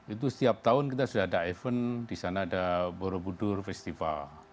itu setiap tahun kita sudah ada event di sana ada borobudur festival